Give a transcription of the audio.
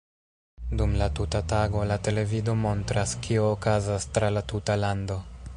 Dum la tuta tago la televido montras, kio okazas tra la tuta lando.